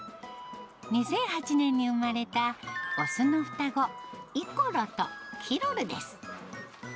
２００８年に産まれた雄の双子、イコロとキロルです。